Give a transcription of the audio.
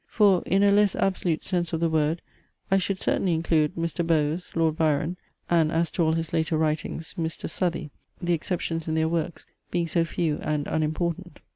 For, in a less absolute sense of the word, I should certainly include Mr. Bowies, Lord Byron, and, as to all his later writings, Mr. Southey, the exceptions in their works being so few and unimportant.